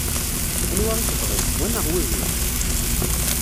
Anwa i tebɣiḍ, wa neɣ wihin?